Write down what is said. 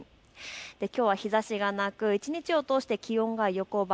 きょうは日ざしがなく一日を通して気温が横ばい。